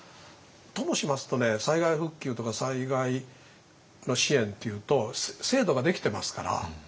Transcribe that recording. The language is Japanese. ともしますとね災害復旧とか災害の支援っていうと制度ができてますから。